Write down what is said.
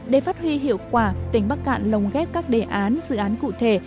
để phát huy hiệu quả tỉnh bắc cạn lồng ghép các đề án dự án cụ thể